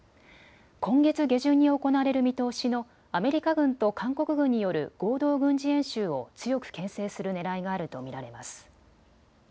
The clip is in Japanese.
今月下旬に行われる見通しのアメリカ軍と韓国軍による合同軍事演習を強くけん制するねらいがあると見られます。